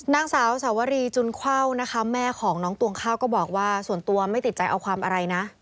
นางสาวสาวรีจุนเข้านะคะแม่ของน้องตวงข้าวก็บอกว่าส่วนตัวไม่ติดใจเอาความอะไรนะ